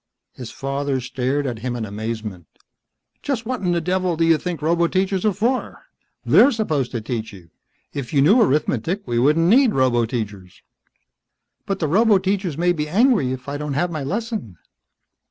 His father stared at him in amazement. "Just what in the devil do you think roboteachers are for? They're supposed to teach you. If you knew arithmetic we wouldn't need roboteachers." "But the roboteachers may be angry if I don't have my lesson."